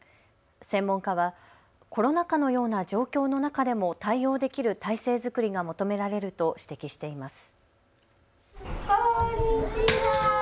専門家はコロナ禍のような状況の中でも対応できる体制作りが求められると指摘しています。